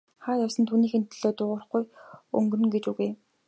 Хаа ч явсан түүнийхээ төлөө дуугарахгүй өнгөрнө гэж үгүй.